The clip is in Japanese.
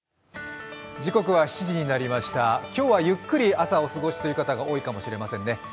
時刻は７時になりました、今日はゆっくり朝をお過ごしという方も多いかもしれませんね。